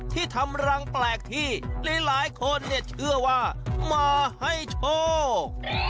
ที่ทำรังแปลกที่หลายคนเนี่ยเชื่อว่ามาให้โชค